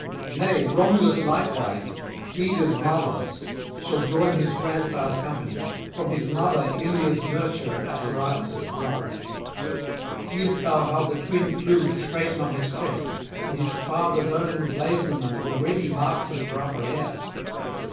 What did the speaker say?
Nay, Romulus likewise, seed of Mavors, shall join [778 810]his grandsire's company, from his mother Ilia's nurture and Assaracus' blood. Seest thou how the twin plumes straighten on his crest, and his father's own emblazonment already marks him for upper air?